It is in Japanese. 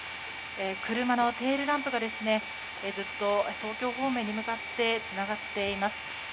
車のテールランプがずっと東京方面に向かってつながっています。